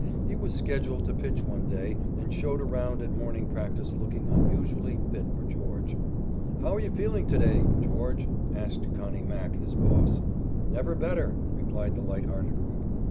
He was scheduled to pitch one day and showed around at morning practice looking unusually fit for George. "How are you feeling to day, George?" asked "Connie" Mack, his boss. "Never better," replied the light hearted "Rube."